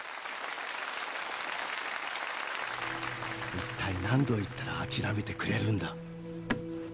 一体、何度言ったら諦めてくれるんだ。